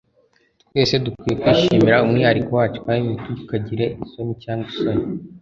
twese dukwiye kwishimira umwihariko wacu kandi ntitukagire isoni cyangwa isoni